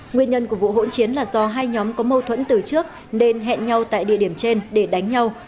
nguyên nhân của vụ hỗn chiến là do hai nhóm có mâu thuẫn từ trước nên hẹn nhau tại địa điểm trên để đánh nhau